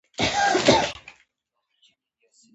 مينه کول اجر لري